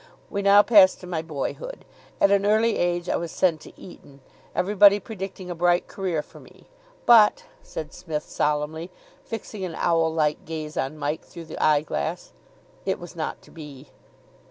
We now pass to my boyhood. At an early age, I was sent to Eton, everybody predicting a bright career for me. But," said Psmith solemnly, fixing an owl like gaze on Mike through the eye glass, "it was not to be."